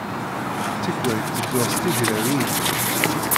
Tikkal ttedduɣ s tsegrarujin.